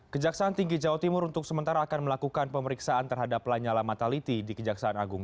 kejaksaan tinggi jawa timur untuk sementara akan melakukan pemeriksaan terhadap lanyala mataliti di kejaksaan agung